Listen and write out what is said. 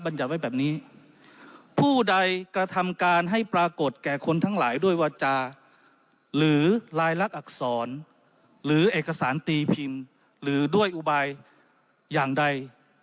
ไว้แบบนี้ผู้ใดกระทำการให้ปรากฏแก่คนทั้งหลายด้วยวาจาหรือลายลักษณ์อักษรหรือเอกสารตีพิมพ์หรือด้วยอุบายอย่างใด